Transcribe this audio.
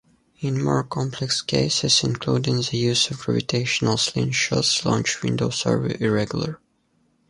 In more complex cases, including the use of gravitational slingshots, launch windows are irregular.